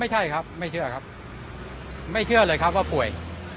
ไม่ใช่ครับไม่เชื่อครับไม่เชื่อเลยครับว่าป่วย